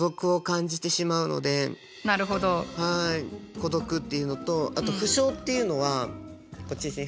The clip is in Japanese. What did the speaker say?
孤独っていうのとあと不詳っていうのはこっちですね。